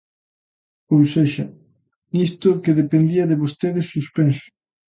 Ou sexa, nisto, que dependía de vostedes, suspenso.